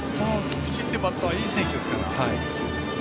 菊地っていうバッターはいい選手ですから。